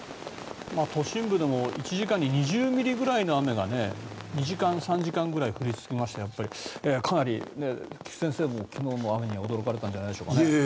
都心でも１時間に２０ミリぐらいの雨が２時間３時間ぐらい降り続きましたけどかなり菊地先生も昨日の雨には驚かれたんじゃないでしょうか。